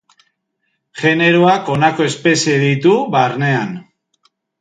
Generoak honako espezie ditu barnean.